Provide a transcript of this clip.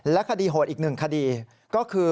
คดีโหดอีกหนึ่งคดีก็คือ